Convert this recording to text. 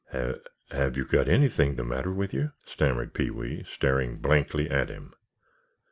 "Have—have you got anything the matter with you?" stammered Pee wee, staring blankly at him.